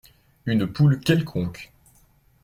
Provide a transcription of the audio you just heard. Une poule quelconque.